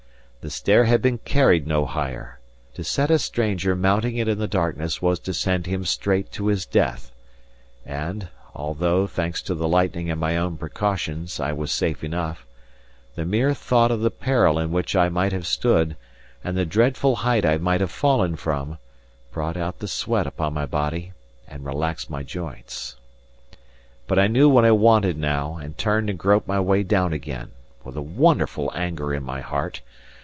The stair had been carried no higher; to set a stranger mounting it in the darkness was to send him straight to his death; and (although, thanks to the lightning and my own precautions, I was safe enough) the mere thought of the peril in which I might have stood, and the dreadful height I might have fallen from, brought out the sweat upon my body and relaxed my joints. But I knew what I wanted now, and turned and groped my way down again, with a wonderful anger in my heart.